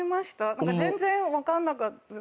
何か全然分かんなかった。